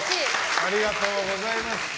ありがとうございます。